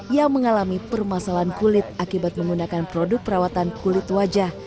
yang mengalami permasalahan kulit akibat menggunakan produk perawatan kulit wajah